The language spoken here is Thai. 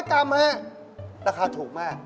๒๐๐กรัมค่ะราคาถูกมาก